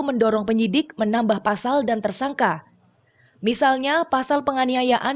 mendorong penyidik menambah pasal dan tersangka misalnya pasal penganiayaan